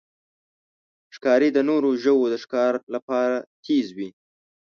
ښکاري د نورو ژوو د ښکار لپاره تیز وي.